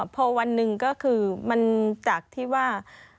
พอวันหนึ่งก็คือมันจากที่ว่า